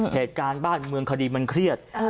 เหตุการณ์บ้านเมืองคดีมันเครียด